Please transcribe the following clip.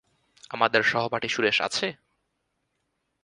আমাদের সহপাঠী সুরেশ আছে?